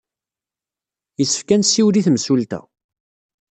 Yessefk ad nsiwel i temsulta.